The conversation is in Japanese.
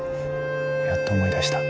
やっと思い出した。